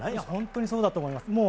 本当にそうだと思います。